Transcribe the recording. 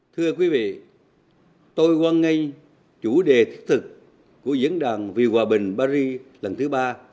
thưa quý vị tôi quan ngay chủ đề thiết thực của diễn đàn vì hòa bình paris lần thứ ba